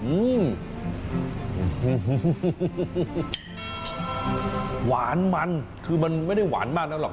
หวานมันคือมันไม่ได้หวานมากแล้วหรอก